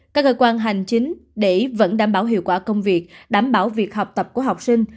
các cơ quan hành chính để vẫn đảm bảo hiệu quả công việc đảm bảo việc học tập của học sinh